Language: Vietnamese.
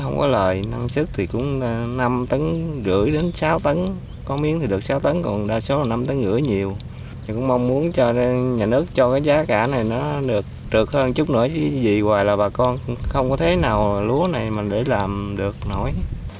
giá cả này nó được trượt hơn chút nữa chứ gì hoài là bà con không có thế nào lúa này mà để làm được nổi